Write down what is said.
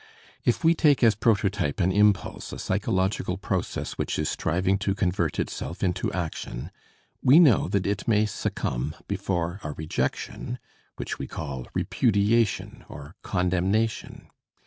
If we take as prototype an impulse, a psychological process which is striving to convert itself into action, we know that it may succumb before a rejection, which we call "repudiation" or "condemnation."